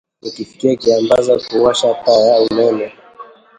Nakifikia kiambaza kuwasha taa ya umeme